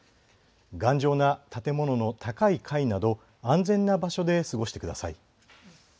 頑丈な建物の高い階など安全な場所で過ごしてください。